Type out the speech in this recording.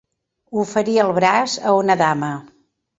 Oferir el braç a una dama.